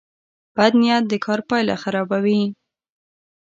بد نیت د کار پایله خرابوي.